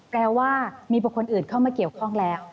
แปลว่ามีบุคคลอื่นเข้ามาเกี่ยวข้องแล้ว